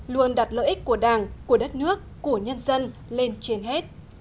luôn đặt lợi ích của đảng của đất nước của nhân dân lên trên hết